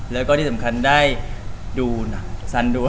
แล้วก็ที่สำคัญได้ดูหนังสั้นด้วย